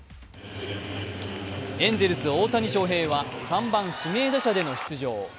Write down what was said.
エンゼルス・大谷翔平は３番・指名打者での出場。